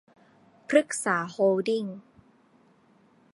พฤกษา โฮลดิ้ง